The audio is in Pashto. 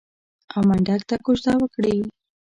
او منډک ته کوژده وکړي.